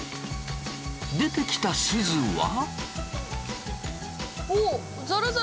出てきたすずは。